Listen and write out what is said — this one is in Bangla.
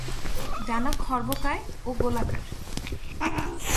ডানা খর্বকায় ও গোলাকার।